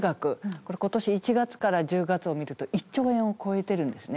これ今年１月から１０月を見ると１兆円を超えてるんですね。